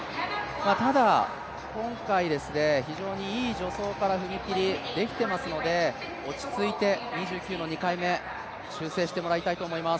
ただ、今回、非常にいい助走から踏み切りができていますので、落ち着いて２９の２回目修正してもらいたいと思います。